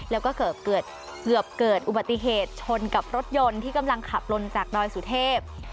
แล้วก็เกือบเกิดอุบัติเหตุชนกับรถยนต์ที่กำลังขับลนจากดอยสุเทพ